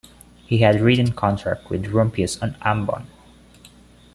He had written contact with Rumphius on Ambon.